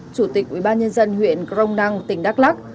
chủ tịch ubnd huyện crong năng tỉnh đắk lắc